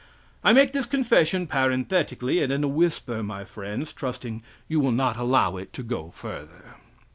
I make this confession parenthetically, and in a whisper, my friends, trusting you will not allow it to go further.)